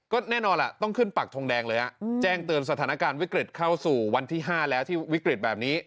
ก็แน่นอนล่ะต้องขึ้นปักทงแดงเลยแจ้งเตือนสถานการณ์วิกฤตเข้าสู่วันที่๕แล้วที่วิกฤตแบบนี้